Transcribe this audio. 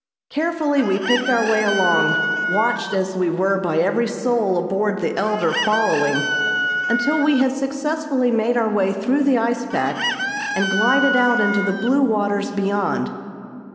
Carefully we picked our way along, watched as we were by every soul aboard the "Elder" following, until we had successfully made our way through the ice pack and glided out into the blue waters beyond.